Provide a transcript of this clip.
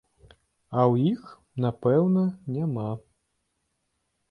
А ў іх, напэўна, няма.